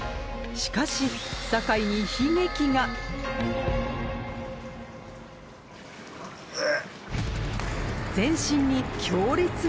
しかし坂井に悲劇がうぅ。